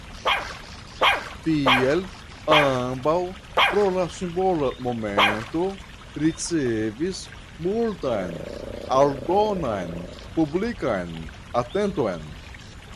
Tiel ambaŭ pro la simbola momento ricevis multan aldonan publikan atenton.